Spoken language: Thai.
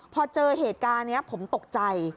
พอเจอเหตุการณ์นี้ผมตกใจ